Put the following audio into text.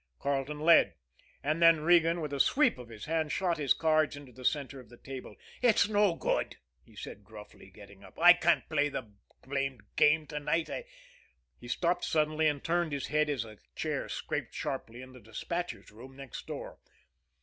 Carleton led and then Regan, with a sweep of his hand, shot his cards into the center of the table. "It's no good," he said gruffly, getting up. "I can't play the blamed game to night, I " He stopped suddenly and turned his head, as a chair scraped sharply in the despatchers' room next door.